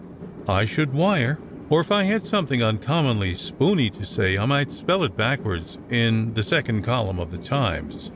" I should wire : or if I had something uncommonly spooney to say, I might spell it backwards in the second column of the Times.